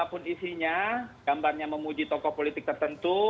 apapun isinya gambarnya memuji tokoh politik tertentu